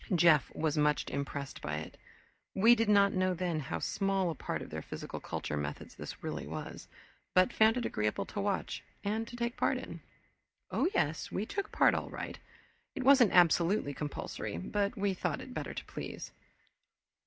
Jeff was much impressed by it. We did not know then how small a part of their physical culture methods this really was, but found it agreeable to watch, and to take part in. Oh yes, we took part all right! It wasn't absolutely compulsory, but we thought it better to please.